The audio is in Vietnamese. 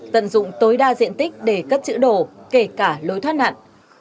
tận dụng tối đa diện tích để cất chữ đồ kể cả lối thoát nạn